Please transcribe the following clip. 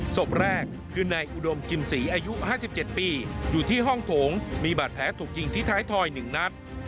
ศพแรกคือนายอุดมกิมศรีอายุ๕๗ปีอยู่ที่ห้องโถงมีบาดแผลถูกยิงที่ท้ายทอย๑นัด